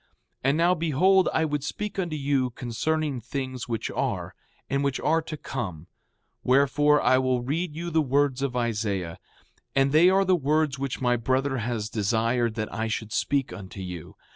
6:4 And now, behold, I would speak unto you concerning things which are, and which are to come; wherefore, I will read you the words of Isaiah. And they are the words which my brother has desired that I should speak unto you.